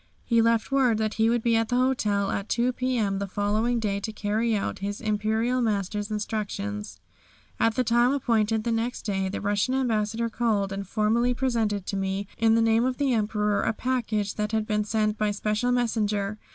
He left word that he would be at the hotel at 2 p.m. the following day to carry out his Imperial Master's instructions. At the time appointed the next day the Russian Ambassador called and formally presented to me, in the name of the Emperor, a package that had been sent by special messenger.